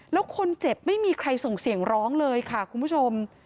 แล้วคนเจ็บไม่มีใครส่งเสียงร้องเลยค่ะคุณผู้ชม